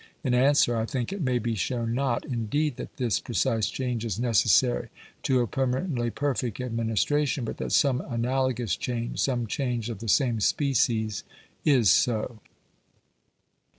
In answer, I think it may be shown not, indeed, that this precise change is necessary to a permanently perfect administration, but that some analogous change, some change of the same species, is so.